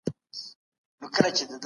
دویني ګروپ هر انسان ته لازمي پوهه ورکوي.